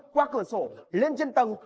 qua cửa sổ lên trên tầng